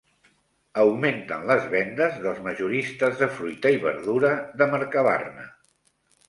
Augmenten les vendes dels majoristes de fruita i verdura de Mercabarna